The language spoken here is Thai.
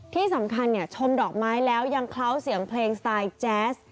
ที่สำคัญชมดอกไม้แล้วยังเคล้าเสียงเพลงสไตล์แจ๊ส